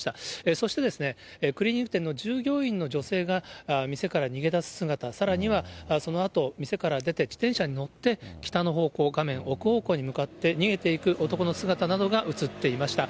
そしてですね、クリーニング店の従業員の女性が店から逃げ出す姿、さらにはそのあと、店から出て自転車に乗って、北の方向、画面奥方向に向かって逃げていく男の姿などが写っていました。